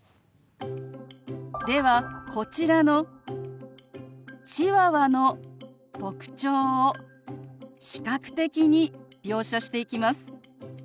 ではこちらのチワワの特徴を視覚的に描写していきます。